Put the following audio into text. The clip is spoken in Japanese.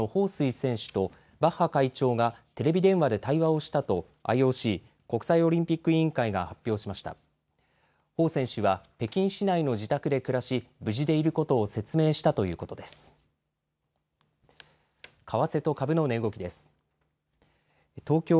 彭選手は北京市内の自宅で暮らし無事でいることを説明したということです。